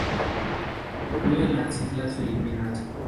Vuela en las Islas Filipinas.